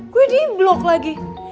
gue di blok lagi